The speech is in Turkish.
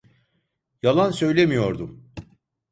Yalan söylemiyordum.